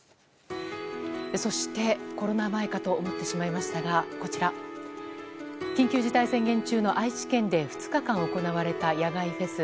そして、コロナ前かと思ってしまいましたがこちら、緊急事態宣言中の愛知県で２日間行われた野外フェス。